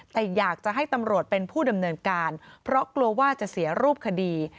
แต่อยากจะให้ตำรวจเป็นผู้ดำเนินการเพราะกลัวว่าจะเสียรูปคดี